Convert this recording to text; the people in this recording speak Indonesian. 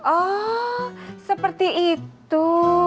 oh seperti itu